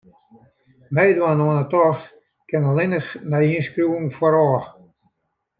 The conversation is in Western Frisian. Meidwaan oan 'e tocht kin allinnich nei ynskriuwing foarôf.